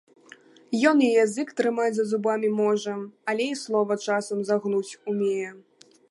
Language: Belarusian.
Ён і язык трымаць за зубамі можа, але і слова часам загнуць умее.